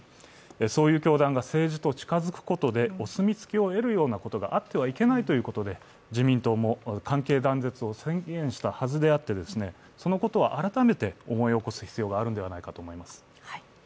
そういう教団が政治と近づくことでお墨付きを得るようなことがあってはいけないということで、自民党も関係断絶を宣言したはずであって、そのことは改めて思い起こす必要があるのではないかと思います。